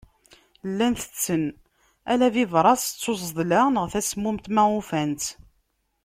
Llan tetten ala bibṛas d tzuḍla neɣ tasemmumt ma ufan-tt.